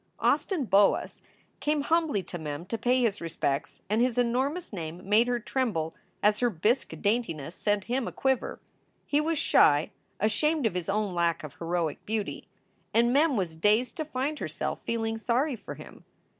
Austin Boas came humbly to Mem to pay his respects, and his enormous name made her tremble as her bisque daintiness set him aquiver. He was shy, ashamed of his own lack of heroic beauty; and Mem was dazed to find herself feeling sorry for him.